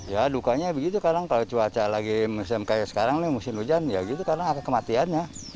ya dukanya begitu kadang kalau cuaca lagi musim kayak sekarang nih musim hujan ya gitu karena ada kematiannya